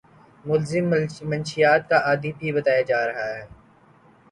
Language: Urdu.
ملزم مشیات کا عادی بھی بتایا جا رہا ہے